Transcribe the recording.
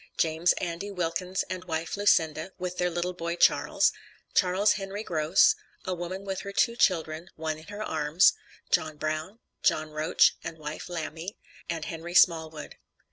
JAMES ANDY WILKINS, and wife LUCINDA, with their little boy, CHARLES, CHARLES HENRY GROSS, A WOMAN with her TWO CHILDREN one in her arms JOHN BROWN, JOHN ROACH, and wife LAMBY, and HENRY SMALLWOOD.